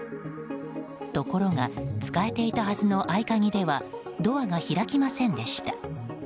ところが使えていたはずの合鍵ではドアが開きませんでした。